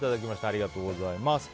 ありがとうございます。